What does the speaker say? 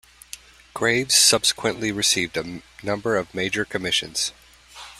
Graves subsequently received a number of major commissions.